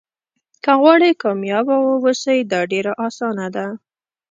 که غواړئ کامیابه واوسئ دا ډېره اسانه ده.